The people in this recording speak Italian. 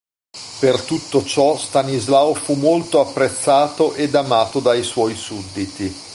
Per tutto ciò Stanislao fu molto apprezzato ed amato dai suoi sudditi.